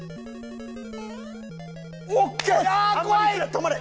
止まれ！